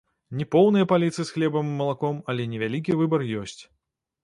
Не поўныя паліцы з хлебам і малаком, але невялікі выбар ёсць.